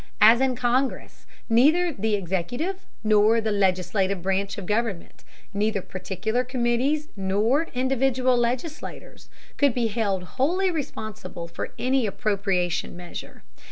As in Congress, neither the executive nor legislative branch of government, neither particular committees nor individual legislators, could be held wholly responsible for any appropriation measure.